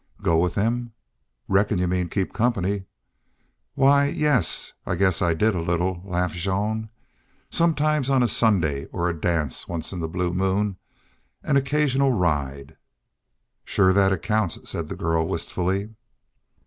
"Go with them? Reckon you mean keep company. Why, yes, I guess I did a little," laughed Jean. "Sometimes on a Sunday or a dance once in a blue moon, an' occasionally a ride." "Shore that accounts," said the girl, wistfully.